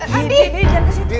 di di di jangan kesitu